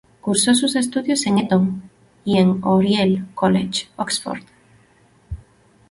Cursó sus estudios en Eton y en Oriel College, Oxford.